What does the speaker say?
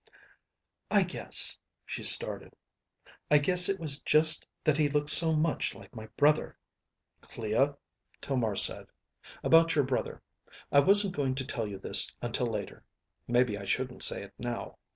"I guess," she started, "... I guess it was just that he looked so much like my brother." "Clea," Tomar said. "About your brother. I wasn't going to tell you this until later. Maybe I shouldn't say it now.